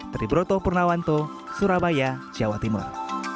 teribro toh purnawanto surabaya jawa timur